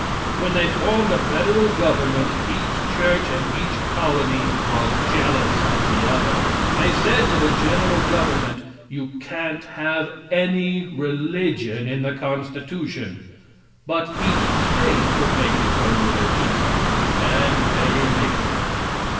When they formed a federal government each church and each colony was jealous of the other. They said to the general government, "You can't have any religion in the constitution," but each state could make its own religion, and they made them.